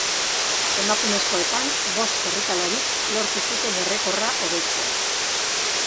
Emakumezkoetan bost korrikalarik lortu zuten errekorra hobetzea.